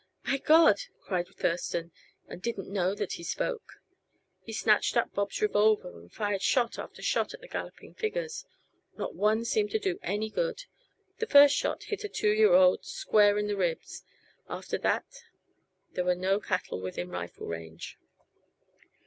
"My God!" cried Thurston, and didn't know that he spoke. He snatched up Bob's revolver and fired shot after shot at the galloping figures. Not one seemed to do any good; the first shot hit a two year old square in the ribs. After that there were no cattle within rifle range.